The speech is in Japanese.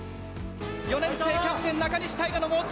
４年生キャプテン、中西大翔の猛追。